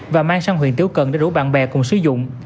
và mang sang huyện tiểu cần để rủ bạn bè cùng sử dụng